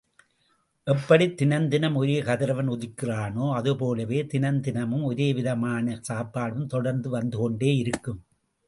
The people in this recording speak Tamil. எப்படித் தினந்தினமும் ஒரே கதிரவன் உதிக்கிறானோ, அது போலவே தினந்தினமும் ஒரேவிதமான சாப்பாடும் தொடர்ந்து வந்து கொண்டேயிருக்கும்!